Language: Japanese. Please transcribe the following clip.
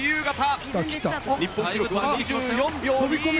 日本記録は２４秒２１。